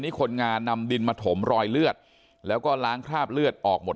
นี่คนงานนำดินมาถมรอยเลือดแล้วก็ล้างคราบเลือดออกหมด